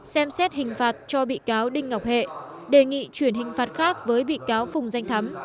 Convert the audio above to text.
xem xét hình phạt cho bị cáo đinh ngọc hệ đề nghị chuyển hình phạt khác với bị cáo phùng danh thắm